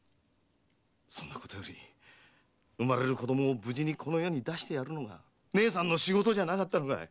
そんなことより産まれる子を無事にこの世に出してやるのが姉さんの仕事じゃなかったのかい。